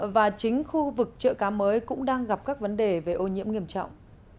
và chính khu vực chợ cá mới cũng đang gặp các vấn đề về ô nhiễm nghiêm trọng